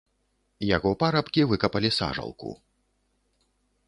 Яго парабкі выкапалі сажалку.